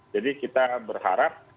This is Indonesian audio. jadi kita berharap